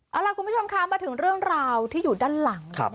เอาล่ะคุณผู้ชมคะมาถึงเรื่องราวที่อยู่ด้านหลัง